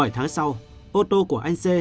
bảy tháng sau ô tô của anh c